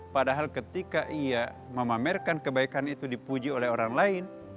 padahal ketika ia memamerkan kebaikan itu dipuji oleh orang lain